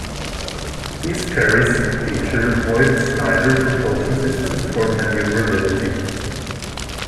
These ferries feature Voith-Schneider propulsion systems for manoeuvrability.